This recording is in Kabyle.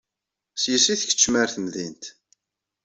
S-yes i tkeččem ar temdint.